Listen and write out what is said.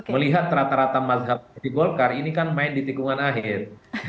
melihat rata rata mazhab di golkar ini kan main di tikungan akhir